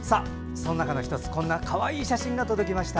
その中の１つかわいい写真が届きました。